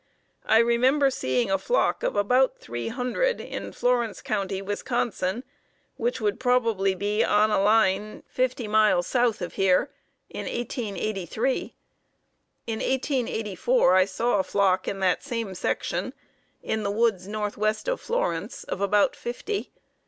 I remember seeing a flock of about three hundred in Florence County, Wis., which would probably be on a line fifty miles south of here, in 1883. In 1884 I saw a flock in that same section, in the woods northwest of Florence, of about fifty.